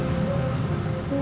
gue udah nanya sama dia